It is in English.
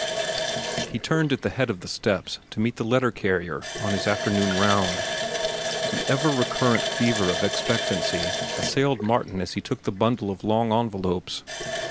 He turned at the head of the steps to meet the letter carrier on his afternoon round. The ever recurrent fever of expectancy assailed Martin as he took the bundle of long envelopes.